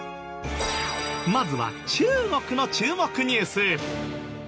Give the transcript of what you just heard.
まずは中国の注目ニュース。